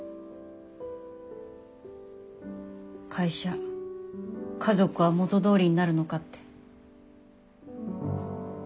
会社家族は元どおりになるのかって。